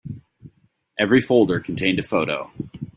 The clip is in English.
Every folder contained a photo.